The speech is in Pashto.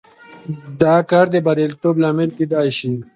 دا کار د بریالیتوب لامل کېدای شي.